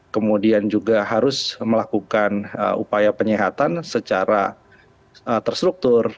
kemudian juga harus melakukan upaya penyehatan secara terstruktur